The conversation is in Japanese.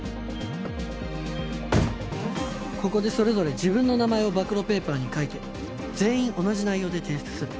ここでそれぞれ自分の名前を暴露ペーパーに書いて全員同じ内容で提出する。